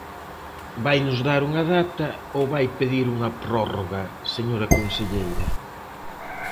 ¿Vainos dar unha data ou vai pedir unha prórroga, señora conselleira?